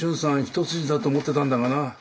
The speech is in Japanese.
一筋だと思ってたんだがな。